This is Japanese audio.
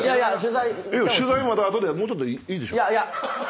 取材また後でもうちょっといいでしょ？